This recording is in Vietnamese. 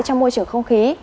trong môi trường không khí